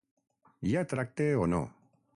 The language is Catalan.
Hi ha tracte o no?